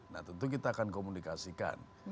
nah tentu kita akan komunikasikan